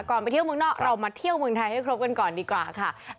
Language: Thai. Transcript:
ไปเที่ยวเมืองนอกเรามาเที่ยวเมืองไทยให้ครบกันก่อนดีกว่าค่ะ